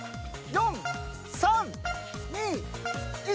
４３２１。